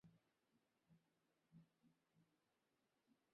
Please, Janu!